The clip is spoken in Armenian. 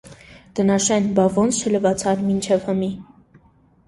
- Տնաշեն, բա ո՞նց չլավացար մինչև հըմի: